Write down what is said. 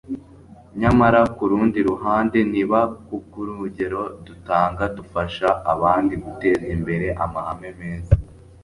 nyamara ku rundi ruhande niba kubw'urugero dutanga dufasha abandi guteza imbere amahame meza